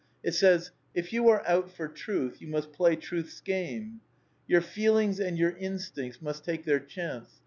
It says :" If you are out for truth you must play truth's game. Your feelings and your instincts must take their chance.